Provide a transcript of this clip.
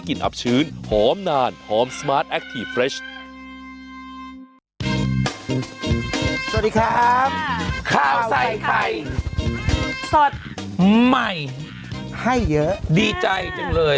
ให้เยอะใช่ปะดีใจจังเลย